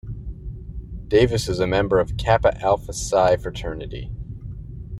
Davis is a member of Kappa Alpha Psi fraternity.